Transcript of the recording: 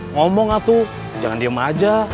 ngomong aku jangan diem aja